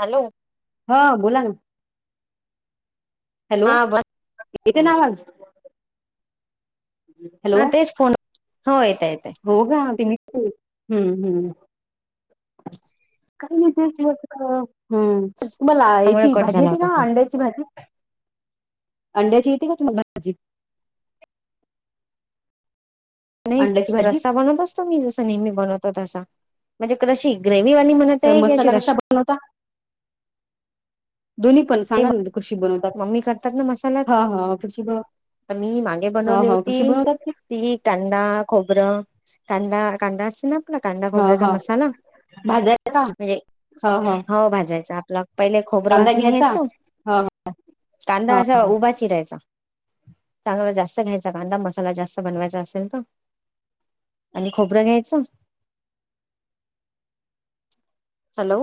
Hello. हा बोला ना. हॅलो हा बस येते ना आवाज? हॅलो ह तेच फोन होय. हो ग [unintelligible] हम्म हम्म काय म्हणतय [unintelligible] हम् तुम्हाला त्यामुळे याची कट भाजी झाला येते होता का फोन अंड्याची भाजी. अंड्याची येती का तुम्हाला भाजी? नाही अंड्याची भाजी रस्सा बनवत असतो मी जस नेहमी बनवतो तसा म्हणजे कशि ग्रेव्ह व्ही वाली म्हणत तर आहे की अशी मसाला रशी. कसा बनवता दोन्ही पण सांगा कशी बनवतात मम्मी करतात ना मसाला ह ह कशी. बन मी मागे हा बनवली हा होती कशी बनवतात ते ती कांदा, खोबरं. कांदा कांदा असत ना. कांदा हा खोबऱ्याचा हा मसाला भाजायचा का म्हणजे हा हा हो भाजायचा. आपला पहिले खोबरं कांदा भाजून घ्यायचा घ्यायचं हा कांदा हा असा हा उभा चिरायचा. चांगला जास्त घ्यायचा कांदा मसाला जास्त बनवायचा असेल तर. आणि खोबरं घ्यायच. हॅलो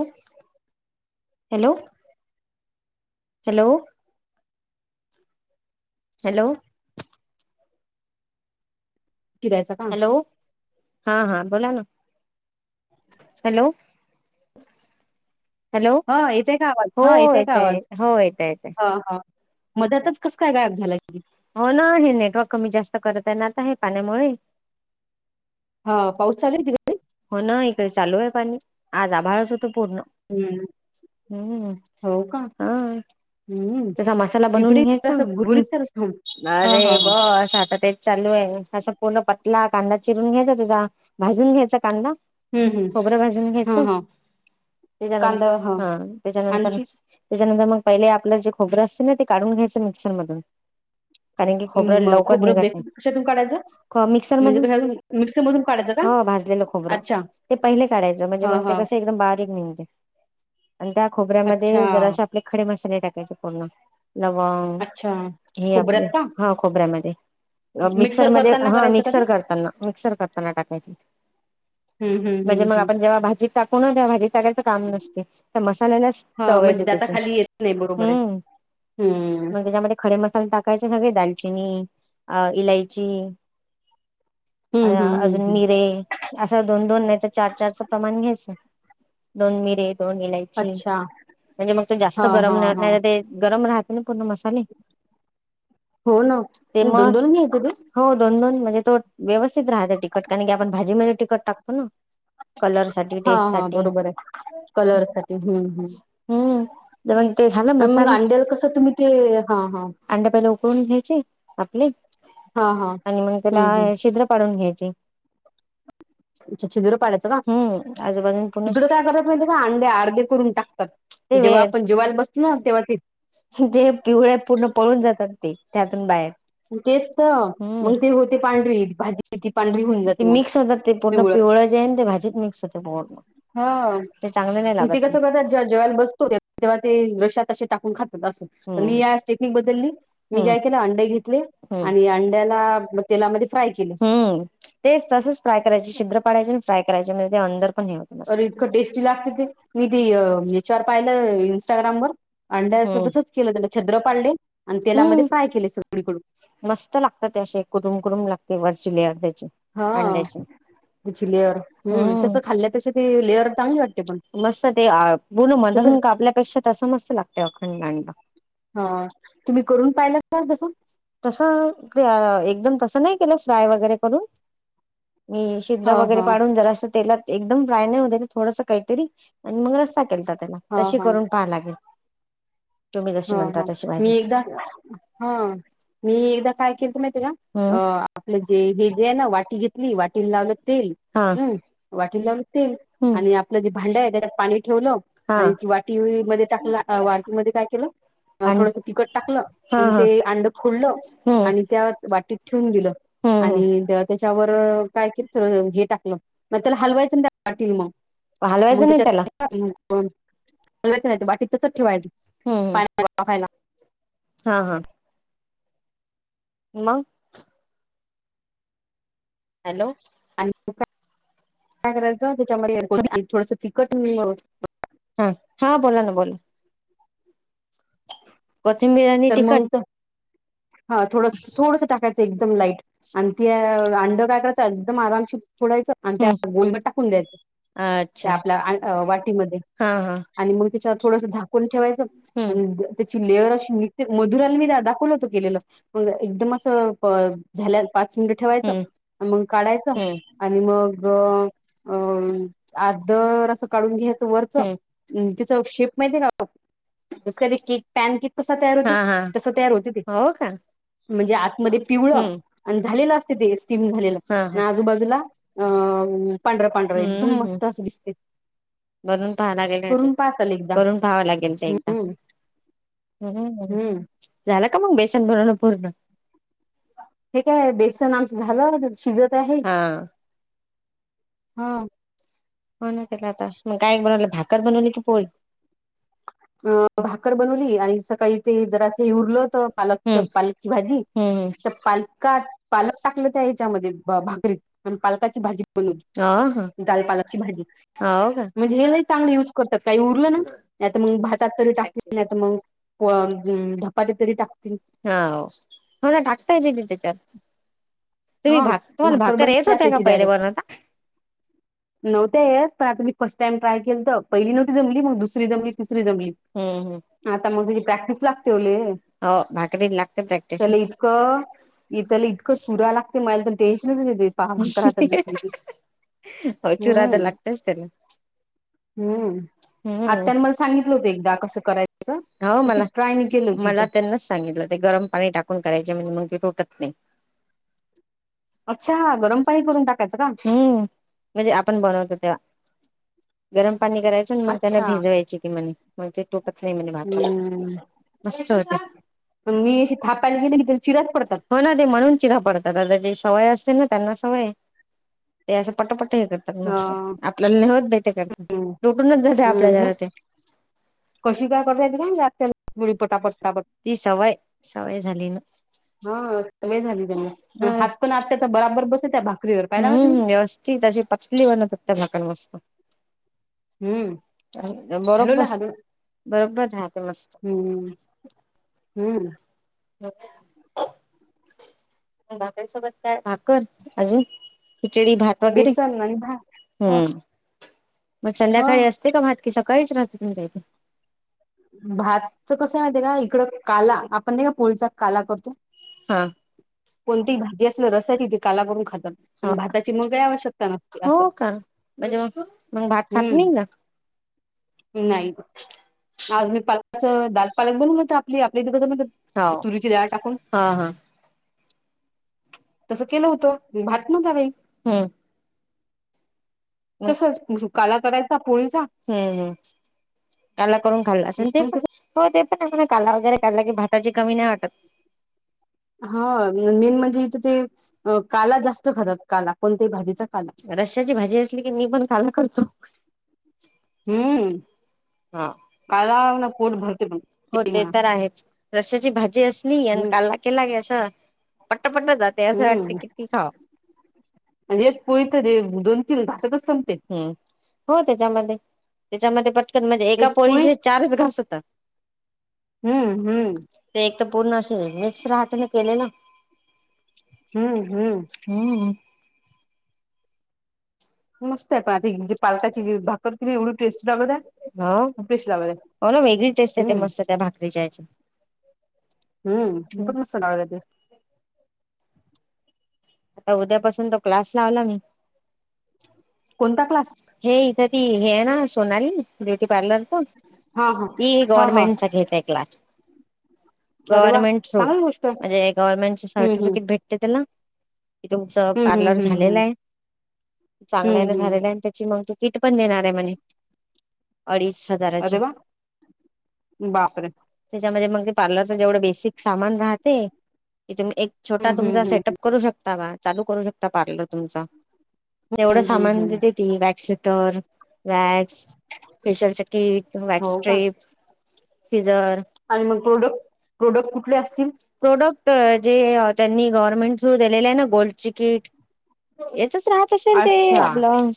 हॅलो हॅलो हॅलो चिरायचा का? हॅलो हा हा बोला ना. हॅलो हॅलो हा येतो का आवाज हो हा येतोय का येतय आवाज हो येतय येतय हा हा? मध्यातच कस काय गायब झाला की. हो ना हे नेटवर्क कमी जास्त करत आहे ना आता हे आहे पाण्यामुळे. हा पाऊस चालू [unintelligible] हो ना इकडे चालू आहे पाणी आज आभाळच होतं पूर्ण. हम्म हम्म हो का? हा हं. त्याचा मसाला बनवून इकडे तर घ्यायचा. असं हम्म गुरगुरीत हं. नाही हां, रे हां, हां. भो असं आता तेच चालू आहे असं. पूर्ण पतला कांदा चिरून घ्यायचा तेचा भाजून घ्यायचा कांदा. हं, हं. खोबरं भाजून घ्यायच. हां, हां. त्याच्यान कांदा हां. हं, त्याच्यानंतर आणखी त्यानंतर मग पहिले आपलं जे खोबरं असते ना, ते काढून घ्यायचं मिक्सर मधून. कारण की खोबरं म लवकर खोबरं निघत नाही, बेसन कशातून काढायचं? खो मिक्सर म्हणजे मधून. कशातून मिक्सरमधून काढायचं का? हो भाजलेलं खोबरं. अच्छा. ते पहिले काढायचं म्हणजे हां, मग ते हां. कस एकदम बारीक निघते. आणि त्या अच्छा, खोबऱ्यामध्ये जरासे आपले खडे मसाले टाकायचे पूर्ण. लवंग, अच्छा. हे आपले, खोबऱ्यात का? हा खोबऱ्यामध्ये. मिक्सर मध्ये, करताना हं. करायचं का ते? मिक्सर करताना मिक्सर करताना टाकायची. हं. हं, म्हणजे हं, मग हं. आपण जेव्हा भाजीत टाकू ना, तेव्हा भाजीत टाकायचं काम नसते. तर मसाल्यालाच हां, चव येते म्हणजे त्याची. दाताखाली येत नाही बरोबर आहे. हम्म हं. मग त्याच्यामध्ये खडे मसाले टाक असे सगळे घ्यायचे, दालचिनी अ इलायची अ हं, हं, हं, अजून हं. मिरे, असं दोन-दोन नाही तर चार-चारचं प्रमाण घ्यायचं. दोन मिरे, दोन इलायची अच्छा. म्हणजे मग तो जास्त हां, गरम नाही हां, हां. राहीलं ते गरम राहत नाही, पूर्ण मसाले हो ना. ते मस, घ्यायचं ते? हो दोन दोन म्हणजे तो व्यवस्थित राहतं तिखट. कारण की आपण भाजी मध्ये तिखट टाकतो ना. कलर साठी, टेस्ट हां, हां. साठी. बरोबर आहे. कलरसाठी. हं, हं. हं. करून ते झालं मसाला. तर, तुम्ही ते हां हां अंडं पहिला उकळून घ्यायची आपली हां हां आणि मग हं त्याला हं छिद्र पाडून घ्यायचे. अच्छा, छिद्र पाडायचं का? हम्म आजूबाजून पूर्ण इकडं काय करतात माहिती का? अंडे अर्धे करून टाकतात. ते वे जेव्हा आपण जेवायला बसतो ना, तेव्हा ते ते पिवळ्या पूर्ण पळून जातात ते, त्यातून बाहेर. तेच त, हम्म मग ते होते पांढरी भाजी. ती पांढरी होऊन ते जाते मग मिक्स होतात ते पूर्ण. पिवळट. पिवळं जे आहे ना ते भाजीत मिक्स होते पूर्ण. हां, ते चांगले नाही ते लागत कसं करतात? जेव्हा जेवायला बसतो, तेव्हा ते रश्शात असे टाकून खातात. हम्म मी याची टेक्निक बदलली. मी हम्म काय केलं, अंड घेतले आणि अंड्याला आपलं तेला मध्ये हं, तेच तसंच फ्राय करायचे, छिद्र पाडायचे आणि फ्राय करायचे. म्हणजे ते अंदर पण हे होत मस्त. अरे इतकं टेस्टी लागते ते. मी ते हे याच्यावर पाहिलं, इन्स्टाग्रामवर. अंड्याचं तसंच केलं. त्याला छिद्र पाडले, आणि तेलामध्ये हं, फ्राय केले सगळीकडून मस्त लागतं ते असे, कुरुम कुरुम लागते वरची लेअर त्याची ह, अंड्याची त्याची लेअर. हं, हम्म तसं खाल्ल्यापेक्षा ती लेअर चांगली वाटते. पण मस्त ते. आ बोलू मधन तसं कापल्यापेक्षा तसं मस्त लागतं अखंड अंडं. हा, तुम्ही करून पाहिलातं का तसं? तसं ते एकदम तसं नाही केलं, फ्राय वगैरे करून. मी हा छिद्र वगैरे हा पाडून, जरासं तेलात एकदम फ्राय नाही होतं ते थोडसं काहीतरी आणि मग रस्सा केलता त्याला, हा तशी करून पहाय लागेल. तुम्ही जशी हं म्हणता हं. तशी मी भाजी. एकदा हं, मी एकदा काय केलतं माहिती ल्या. अ हम्म आपलं जे हे जे आहे ना, वाटी घेतली वाटीला लावलं तेल, हा हं. वाटीला लावलं तेल हम्म आणि आपलं जे भांडं आहे त्याच्यात पाणी ठेवलं हा आणि ती वाटी मध्ये टाकला, वाटी मध्ये काय केलं? अ आणि थोडसं तिखट टाकलं हा आणि हा ते अंड फोडलं हम्म. आणि त्या वाटीत ठेवून दिलं, हम्म हम्म आणि त त्याच्या त्यावर काय केलं हे टाकलं, मग त्याला हलवायचं नाही. ते वाटील मग हलवायचं नाही त्याला? हालवायचं नाही, वाटीत तसंच ठेवायचं. हम्.. हम. या खायला. हा.. हा.. मग? हॅलो. आणि काय-काय करायचं, त्याच्यामध्ये कोथिंबीर थोडसं तिखट-मीठ घालायचं. हा. हा, बोला ना बोला. कोथिंबीर आणि तर तिखट. मग हा थोडं, थोडसं टाकायचं. एकदम लाईट आणि ते अंड काय करायचं एकदम आरामशीर फोडायचं आणि त्या हम्म गोलवर टाकून द्यायचं. अच्छा त्या आपल्या, वाटीमध्ये हा हा आणि मग त्याच्यावर थोडसं झाकून ठेवायचं हम्म आणि त्याची लेअर अशी नीट मधुराला मी दा दाखवल होतो केलेलं. मग एकदम असं प झाल्या पाच मिनट ठेवायचं हम्म मग काढायचं हम्म आणि मग अअं आदर असं काढून घ्यायचं वरच. हम्म चा शेप माहिती का? कधी के पॅनकेक कसा तयार होते हां हां, तसं तयार होते ते हो का? म्हणजे आतमध्ये पिवळ हम्म आणि झालेलं असत ते स्टीम झालेलं हा हा आणि आजूबाजूला अ पांढर पांढर एकदम हम्म हम्म मस्त असं दिसते बनून पाहाला लागेले होते करून पाहा चाल एकदा करून पाहाव लागेल ते एकदा हम्म हम्म झालं का मग बेसन बनवण पूर्ण हे काय बेसन आमचं झालं शिजत आहे हा हा हो ना त्याला आता म गायक बनवलं भाकर बनवली की पोल अ भाकर बनवली आणि सकाळी ते जरा असं उरलं तर हम्म पालकच पालकी भाजी हम्म हम्म तर पालका पालक टाकलं त्या याच्यामध्ये भाकरीत पण पालकाची भाजी बून हो दालपालाची भाजी हो हो का म्हणजे हे नाही चांगली य करतात काही उरलं ना मग भातात तरी साक्षी टाकली ताई नाहीता मग धपाट्या तरी टाक हा मला डाकताये चार तुम्ही हा भा तुम्हाला भाकर येत बनली होत्या का पहिले बता नव्हतेय पण आता मी फर्स्ट टाइम ट्राय केल तर पहिली नव्हती जमली मग दुसरी जमली त हम्म हम्म. ्रीम आता मग तची प्रॅक्टिस लागते ले हो भाकरी लागते प्रॅक्टिस त्याला इतकं त्याला इतकं चुरा लागते मला तर ह प मकरा तंगी त हो चुरा तर हम्म लागतेच त्याला हम्म हम्म. आत्ताने मला सांगितलं होते कसं कराच हो मला मला त्यांनाच सांगितलं ते गरम पाणी टाकून करायचे म्हणजे मगि ोटत नाही अच्छा गरम पाणी करून टाकायचं का हम्म म्हणजे आपण बनवतो तेव्हा गरम पाणी करायचं मग त्यांना अच्छा भिजवायची की म मग ते तोकत नाही म मा मस्त होता मग मी थापायला गेले की तरी चिरात पडतात तर त्याची सवय असते ना त्यांना सवय ते असं पटपट हे करतात मस्त ह आपल्याला नेहत भे ते करत हम्म लुटूनच जाते आपल्या हम् ज ते कशी काय करतायेत का बी पटापट पटापट ती सवय सवय झाली ना. हा स वय झाली त्यांना हा हात पण आत्याचा बराबर बस हम्म व्यवस्थित अशी पतली बनत त्या भाकण मस्त हम्म बरोबर हलवला हलवला बरोबर. राहते मस्त हम्म हम्म. बाकईसोबत काय भाकर अजून. खिचडी भात वगैरे बेसन आणि भात ह हम्म. मग ह संध्याकाळी असते का मात की सकाळीच राहते तुमच्या इथे. भातच कसं माहितीय का इकडं काला आपण नाही का पळीचा काला करतो. हा. कोणती भाजी असलं रसायचीिथ काला करून खात. हो असं हो का म्हणजे मग भात खात हम्म नाही ना. [inaudible] नाही. पाच दाल पालक बनून आपली आपली इथच का हो तुरीची दळ टाकून. हा हा तस केलं होतं भात नवताकाई होय तसच सुुकाला करायचा पुणीच हु काला करून खाल आसेन ते मग तसं पण काला वगैरे कायला की भाताची कमी नाही वाटत हा मेन म्हणजे इथे ते. अ काला जास्त खातात काला कोणत्याही भाजीचा काला. रश्याची भाजी असली की मी पण [unintelligible] हु हा कालान पोट भरत. हो ते तर आहेच रसाची भाजी असली आणि हम्म कालला केला गे असं. पट्टपट्ट जाते असं वाटते हम्म, किती खाव म्हजेत पळीत रे दोन. तीन घासत संपते. हम्म हो त्याच्यामध्ये त्याच्यामध्ये पटकन म्हणजे एका एक पोळीचे चारच घास होतात. हु हुं. ते एक पूर्ण अस मिक्स राहते ना केले ना. हं हं. मस्त आहे पण आता जे पालताची भाकरर किरी एवढी टेस्ट. लागत आहे ह टेस्ट लागत आहे वेगळीच टेस्ट हम्म येते त्या भाकरी चयचि. हम्म तपण मस्त लागलं ते. आता उद्यापासून तो क्लास लावला मी. कोणता क्लास? हे इथं ती हे आहे ना सोनाली ब्युटी पार्लरच. हा हा त हा हा गवर्नमेंटचा घेतय क्लास. अरे वा गव्हर्नमेंट थ्रू चांगली गोष्ट आहे. म्हणजे गव्हर्नमेंटचे हम्म हम्म सर्टिफिकेट भेटते त्याला. तूमच पार्लर हम्म हम्म हम्म हम्म झालेल्या चांगले हम्म हम्म नझालेलयते. मग तिकिट पण देणार म्हणे अडीच. हजाराची अरे वा बापरे. त्यामध्ये मग पार्लरचे जेवढे बेसिक सामान राहते. एक छोटा हम्म तुमचा हम्म हम्म सेटअप करू शकता बा चालू करू शकता पार्लर तुमचा. तेवढं हम्म हम्म सामान हम्म देत ती वॅग स्टर वॅग. फेशियल जॅकेट वॅक्स हो का स्ट्रेट. आणि मग प्रोडक्ट प्रोडक्ट कुठले असतील. प्रोडक्ट जे त्यांनी गव्हर्नमेंट दिलेले आहे ना गोल्ड चिकीट. च राहत असेल ते अच्छा आपलं.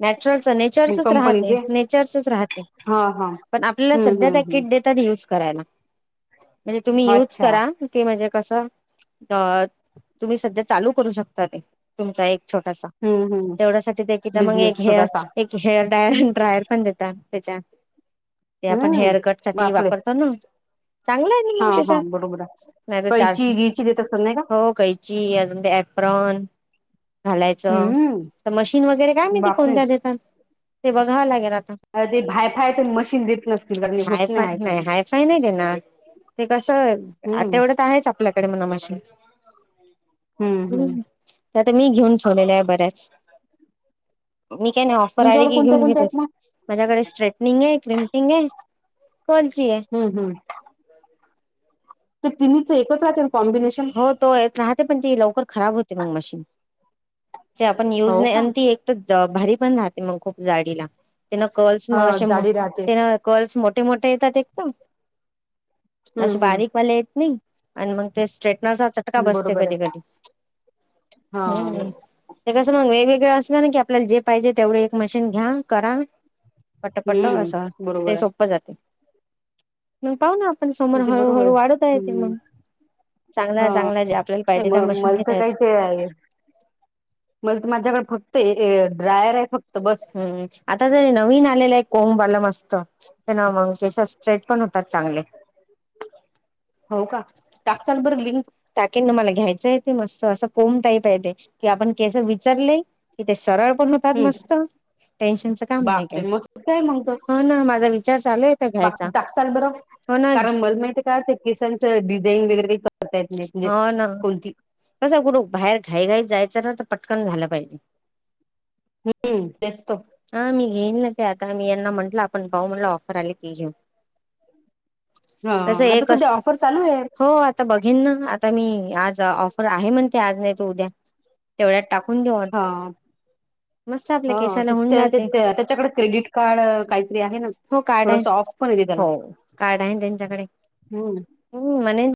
नॅचुरलच मग नेचरचच राहते कंपनीचे नेचरचच राहते. हा हा पण आपल्याला हम्म सध्या हम्म त्या हम्म किट देतात युज करायला. म्हणजे तुम्ही युज अच्छा करा की म्हणजे कस अ तुम्ही सध्या चालू करू शकता तुमचा एक छोटासा हम्म हम्म तेवढ्यासाठीदा मग एक बिझनेस हेअ छोटासा एक हेअर डा ड्रायर पण देतात त्याच्या ते आपण हम्म हेअर कट साठी बापरे! वापरतो ना चांगलं कि हा हा बरोबर आहे. मग कैची त्याचत गिची देत असतात नाही का? होकयची ते यपरन घालायचं हम्म तर मशीन वगैरे काय नाहीती बापरे! कोणत्या देतात ते बघावं लागे ना अरे ते भायफाय ते मशीन देत नसतील कारण हे होत हायफाय हाय फाय नाही हायफाय नाही देणार. कस आता हम्म एवढं तर आहेच आपल्याकडे म्हणामशी. हम्म म हम्म तर आता मी घेऊन ठेवलेल्या आहे बऱ्याच मी काय नाही ऑफर आली तुमच्याकडे की कोणत्या घेऊन घे कोणत्या त्या आहेत मग? माझ्याकडे स्ट्रेटनिंग आहे क्रिमपिंग आहे. कोणची ये. तर तिन्हीच एकच राहतील ना कॉम्बिनेशन. हो तो एक राहते पण त लवकर खराब होते मग मशीन ते आपण युज हो का? नाही ती एक. भारी पण राहते मग खूप जाडीला तेन कर्ल्स हा मग असे जाडी राहते. कर्ल्स मोठे मोठे येतात एकदम हम्म जस हम्म. बारीकवाले येत. नाही आणि मग ते आसा चटका बसते बरोबर कधी आहे. कधी हा. हु ते कसल वेगवे अस ना र की आपल्याला जे पाहिजे तेवढ एक मशीन घ्या करा पटपटा हम्म. आसा बरोबर ते आहे. सोप जाते म पाहु ना पण समोर किती बरोबर हळूहळू वाढत आहे ते हम्म. मग चांगला हा. चांगला जे आपल्याला पाहिजे नाही त्या मशीनी घेतायेत. म मग माझ्याकडे फक्त ड्रायर आहे फक्त बस. हुम्म आता जरी नवीन आलेलं आहे एक कोंबल मस्त त्यानं मग टेस्ट पण होतात चांगले. हो का टाकताल बरं लिंक टाकीन ना मला घ्यायचं आहे ते मस्त असं कोम टाईप आहे ते की आपण केस विचरले की ते सरळ पण होतात हम्म. मस्त टेन्शनच काम नाही काय बापरे! मस्त आहे मग तर. ह ना माझा विचार चालू आहेेत घ्यायचा. बाकी टाकसाल बरं? हो ना कारण मला माहितीय का ते केसांचं डिझाईन वगैरे करता येत नाही म्हणजे हा ना कोणती. कस कुठ बाहेर घाई घाई जायचं ना तर पटकन झालं पाहिजे. हुम्म तेच तर येईल ना ते आता मी यांना म्हंटलं आपण पाहु म्हणला ऑफर आले की घे हा. कस आता एकच सध्या ऑफर चालू आहे. हो आता बघ घेईना आता मी आज ऑफर आहे म्हण ते आज नाही तू उद्या तेवढ्यात टाक हा. आपल्या हो केसाला होऊन त्या जाते त्याच्यांकडे क्रेडिट कार्ड काहीतरी आहे ना हो कार्ड थोडंस आहेत आ हो कार्ड आहे त्यांच्याकडे हम्म हु म्हणेण